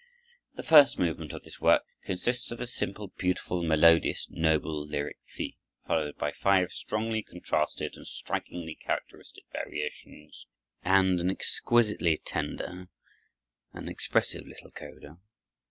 The first movement of this work consists of a simple, beautiful, melodious, noble lyric theme, followed by five strongly contrasted and strikingly characteristic variations, and an exquisitely tender and expressive little coda.